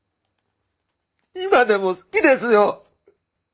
今でも好きですよ！